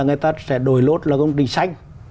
người ta sẽ đổi lốt là công trình xanh